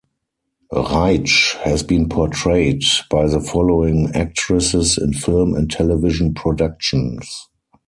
Reitsch has been portrayed by the following actresses in film and television productions.